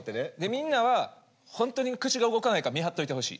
みんなは本当に口が動かないか見張っといてほしい。